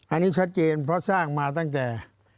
อันนี้ชัดเจนเพราะสร้างมาตั้งแต่